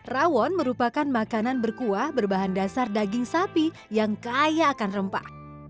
rawon merupakan makanan berkuah berbahan dasar daging sapi yang kaya akan rempah